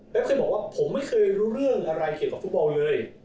แล้วเคยบอกว่าผมไม่เคยรู้เรื่องอะไรเกี่ยวกับฟุตบอลเลย